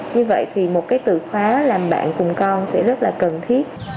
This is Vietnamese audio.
như vậy thì một cái từ khóa làm bạn cùng con sẽ rất là cần thiết